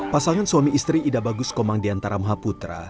pasangan suami istri ida bagus komang diantara mahaputra